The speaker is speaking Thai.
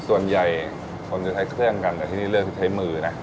ส่วนใหญ่คนจะใช้เครื่องกันแต่ที่นี่เลือกที่ใช้มือนะ